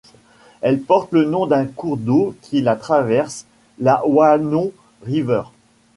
Elle porte le nom d'un cours d'eau qui la traverse, la Wannon River.